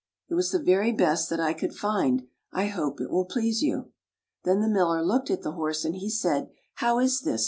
It was the very best that I could find. I hope it will please you." Then the Miller looked at the horse, and he said, " How is this?